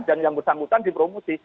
dan yang bersambutan dipromosi